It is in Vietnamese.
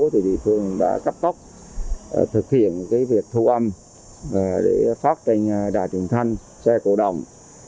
thì vị phương đã cấp tốc thực hiện việc thu âm để phát trình đà trường thanh xe cổ đồng